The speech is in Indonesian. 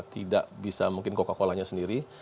tidak bisa mungkin coca cola nya sendiri